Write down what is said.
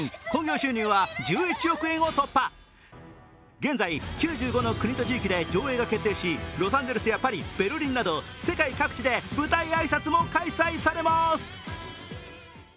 現在、９５の国と地域で上映が決定し、ロサンゼルスやパリ、ベルリンなど世界各地で舞台挨拶も開催されます。